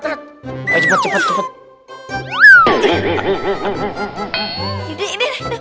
makan sahur shop iya boleh kita jangan salp bahasa trading sama orang lain satu satu